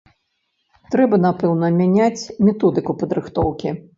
Трэба, напэўна, мяняць методыку падрыхтоўкі.